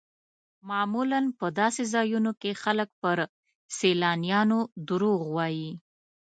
معمولا په داسې ځایونو کې خلک پر سیلانیانو دروغ وایي.